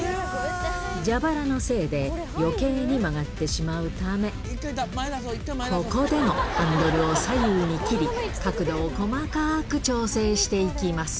蛇腹のせいでよけいに曲がってしまうため、ここでもハンドルを左右に切り、角度を細かく調整していきます。